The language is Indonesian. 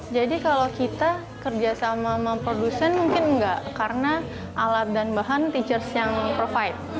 jadi kalau kita kerjasama sama produsen mungkin enggak karena alat dan bahan teachers yang provide